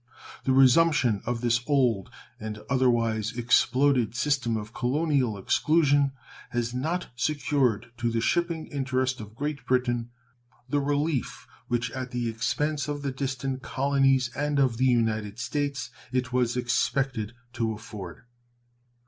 The resumption of this old and otherwise exploded system of colonial exclusion has not secured to the shipping interest of Great Britain the relief which, at the expense of the distant colonies and of the United States, it was expected to afford.